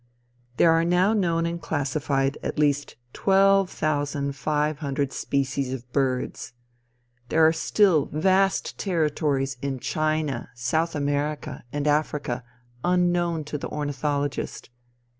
There are now known and classified at least twelve thousand five hundred species of birds. There are still vast territories in China, South America, and Africa unknown to the ornithologist.